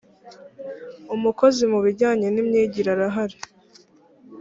umukozi mu bijyanye nimyigire arahari.